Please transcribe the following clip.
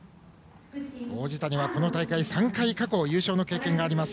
王子谷はこの大会３回過去に優勝の経験があります。